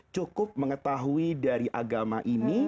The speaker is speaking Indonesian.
cukup mengetahui dari agama ini